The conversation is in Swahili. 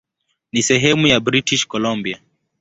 Ni sehemu ya British Columbia.